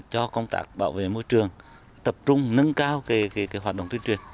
cho công tác bảo vệ môi trường tập trung nâng cao hoạt động tuyên truyền